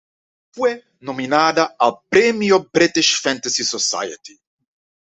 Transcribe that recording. Fue nominada al premio British Fantasy Society.